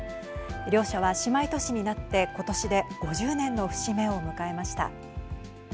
両者は姉妹都市になってことしで５０年の節目を迎えました。